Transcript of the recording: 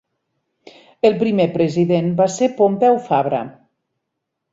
El primer president va ser Pompeu Fabra.